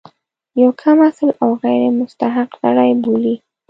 یو کم اصل او غیر مستحق سړی بولي.